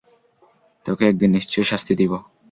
তোকে একদিন নিশ্চয়ই শাস্তি দিব।